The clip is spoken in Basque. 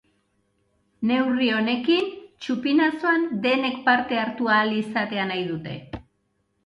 Neurri honekin, txupinazoan denek parte hartu ahal izatea nahi dute.